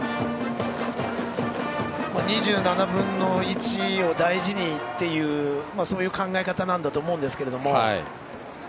２７分の１を大事にっていうそういう考え方なんだと思うんですが。